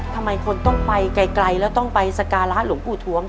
ทำไมคนต้องไปไกลแล้วต้องไปสการะหลวงปู่ทวม